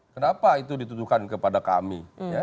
kenapa itu dituduhkan kepada kami